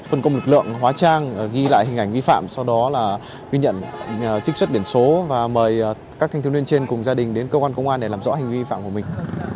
phân công lực lượng hóa trang ghi lại hình ảnh vi phạm sau đó là ghi nhận trích xuất biển số và mời các thanh thiếu niên trên cùng gia đình đến công an thành phố hạ long để làm rõ hình vi phạm của mình